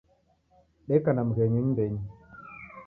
Deka na mghenyu nyumbenyi.